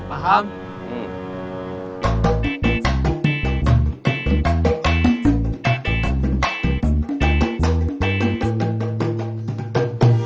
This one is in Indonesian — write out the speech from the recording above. terkadang dalam menjalankan sebuah kegagalan